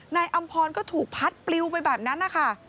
นายอำพรณ์ก็ถูกพัดปลิวไปแบบนั้นค่ะ